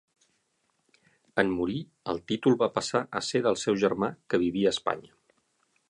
En morir, el títol va passar a ser del seu germà, que vivia a Espanya.